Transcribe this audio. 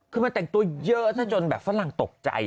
ขึ้นมาแต่งตัวเยอะเลยจนแบบฝนักตกใจ